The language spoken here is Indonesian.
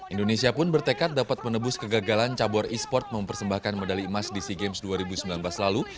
indonesia pun bertekad dapat menebus kegagalan cabur e sport mempersembahkan medali emas di sea games dua ribu sembilan belas lalu